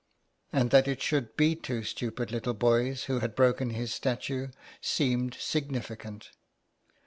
And that it should be two stupid little boys who had broken his statue seemed significant.